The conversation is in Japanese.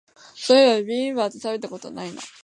そういえばビビンバって食べたことないな